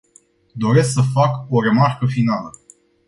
Doresc să fac o remarcă finală.